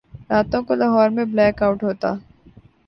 راتوں کو لاہور میں بلیک آؤٹ ہوتا۔